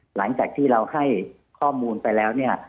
หลังจากที่เราให้ข้อมูลไปแล้วเนี่ย